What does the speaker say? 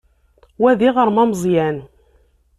Wa d iɣrem ameẓyan.